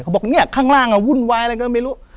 เขาบอกนี่ข้างล่างวุ่นวายไม่รู้